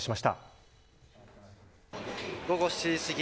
午後７時すぎ